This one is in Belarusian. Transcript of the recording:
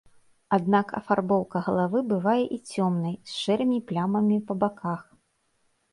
Аднак афарбоўка галавы бывае і цёмнай з шэрымі плямамі па баках.